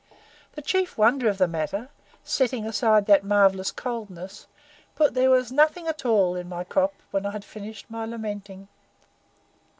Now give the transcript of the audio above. The chief wonder of the matter, setting aside that marvellous coldness, was that there was nothing at all in my crop when I had finished my lamentings!"